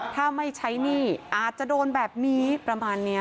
ถ้าไม่ใช้หนี้อาจจะโดนแบบนี้ประมาณนี้